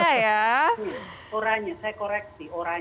oranya saya koreksi oranya